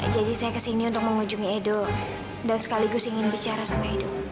jadi saya kesini untuk mengunjungi edo dan sekaligus ingin bicara sama edo